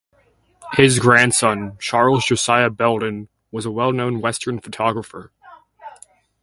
His grandson, Charles Josiah Belden, was a well known western photographer.